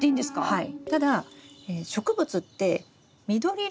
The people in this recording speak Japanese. はい。